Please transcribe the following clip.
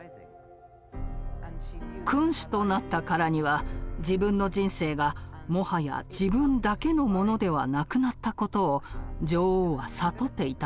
君主となったからには自分の人生がもはや自分だけのものではなくなったことを女王は悟っていたのです。